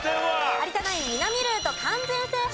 有田ナイン南ルート完全制覇